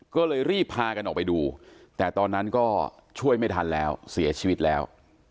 ก็เลยรีบพากันออกไปดูแต่ตอนนั้นก็ช่วยไม่ทันแล้วเสียชีวิตแล้ว